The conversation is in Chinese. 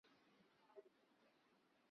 充当日本军队的性奴隶